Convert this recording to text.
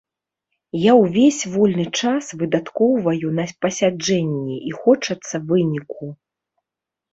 Я ўвесь вольны час выдаткоўваю на пасяджэнні, і хочацца выніку.